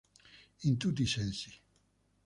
In tutti i sensi.